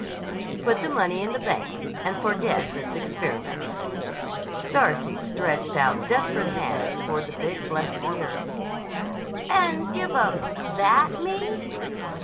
"Put the money in the bank. And forget this experiment." Darcy stretched out desperate hands toward the big, blessed mirror. "And give up that Me?"